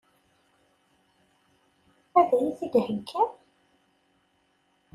Ad iyi-t-id-iheggi?